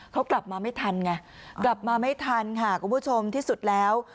เขากลับมาไม่ทันไงกลับมาไม่ทันค่ะคุณผู้ชมที่สุดแล้ว